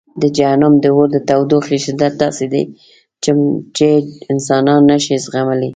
د جهنم د اور د تودوخې شدت داسې دی چې انسانان نه شي زغملی.